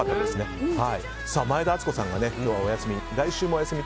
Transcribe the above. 前田敦子さんが今日はお休み。